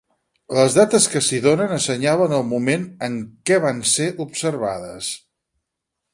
Les dates que s'hi donen assenyalen el moment en què van ser observades.